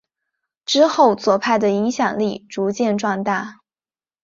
之后左派的影响力逐渐壮大。